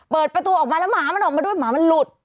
เปิดประตูออกมาแล้วหมามันออกมาด้วยหมามันหลุด